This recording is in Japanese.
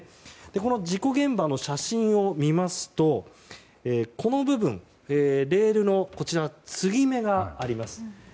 この事故現場の写真を見ますとこの部分にレールの継ぎ目があります。